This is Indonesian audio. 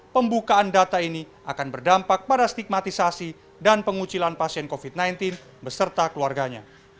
pembukaan data ini akan berdampak pada stigmatisasi dan pengucilan pasien covid sembilan belas beserta keluarganya